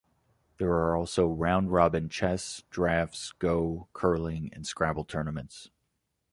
There are also round-robin chess, draughts, go, curling and Scrabble tournaments.